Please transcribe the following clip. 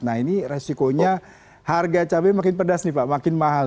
nah ini resikonya harga cabai makin pedas nih pak makin mahal